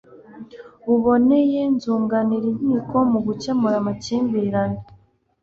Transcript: buboneye zunganira inkiko mu gukemura amakimbirane